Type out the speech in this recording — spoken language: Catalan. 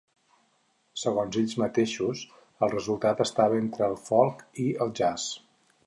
Segons ells mateixos, el resultat estava entre el folk i el jazz.